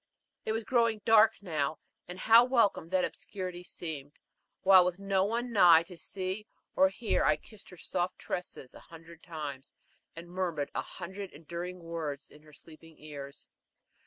It was growing dark now, and how welcome that obscurity seemed, while with no one nigh to see or hear I kissed her soft tresses a hundred times, and murmured a hundred endearing words in her sleeping ears.